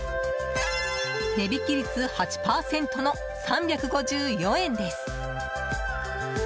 値引き率８％の３５４円です。